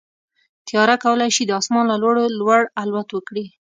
طیاره کولی شي د اسمان له لوړو لوړ الوت وکړي.